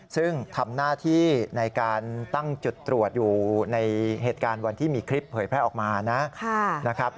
ซึ่งทำหน้าที่ในการตั้งจุดตรวจอยู่ในเหตุการณ์วันที่มีคลิปเผยแพร่ออกมานะครับ